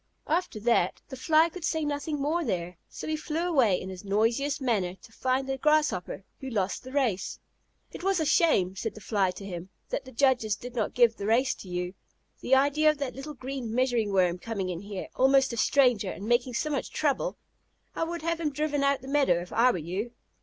After that, the Fly could say nothing more there, so he flew away in his noisiest manner to find the Grasshopper who lost the race. "It was a shame," said the Fly to him, "that the judges did not give the race to you. The idea of that little green Measuring Worm coming in here, almost a stranger, and making so much trouble! I would have him driven out of the meadow, if I were you."